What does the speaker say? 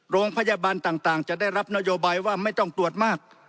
โรงพยาบาลต่างจะได้รับนโยบายว่าไม่ต้องตรวจมาก